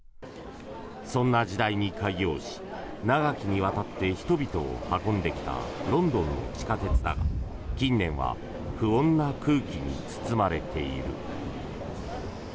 そんな時代に開業し長きにわたって人々を運んできたロンドンの地下鉄だが、近年は不穏な空気に包まれている。